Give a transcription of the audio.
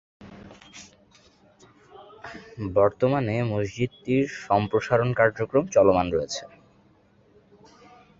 বর্তমানে মসজিদ টির সম্প্রসারণ কার্যক্রম চলমান রয়েছে।